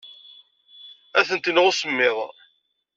Ad tent-ineɣ usemmiḍ.